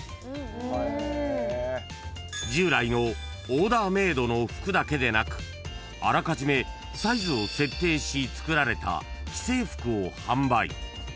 ［従来のオーダーメードの服だけでなくあらかじめサイズを設定し作られた既製服を販売］